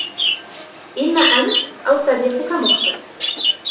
إما أنت أو صديقك مخطئ.